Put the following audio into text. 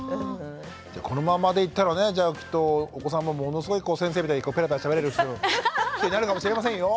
じゃあこのままでいったらねじゃあきっとお子さんもものすごい先生みたいにペラペラしゃべれる人になるかもしれませんよ。